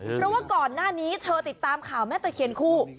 เพราะว่าก่อนหน้านี้เธอติดตามข่าวแม่ตะเคียนคู่